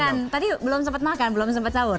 bukan tadi belum sempat makan belum sempat sahur